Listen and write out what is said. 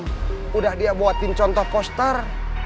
sudah dia buatin contoh koster